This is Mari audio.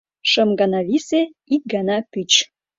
Шым гана висе, ик гана пӱч.